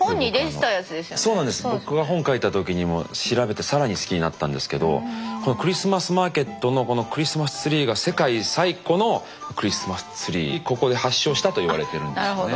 僕が本書いた時にも調べて更に好きになったんですけどこのクリスマスマーケットのクリスマスツリーがここで発祥したといわれてるんですよね。